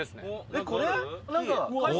「えっこれ？」